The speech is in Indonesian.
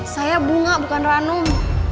saya bunga bukan ranum